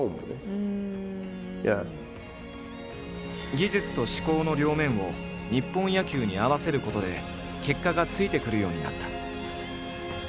技術と思考の両面を日本野球に合わせることで結果がついてくるようになった。